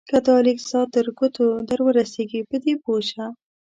که دا لیک ستا تر ګوتو درورسېږي په دې پوه شه.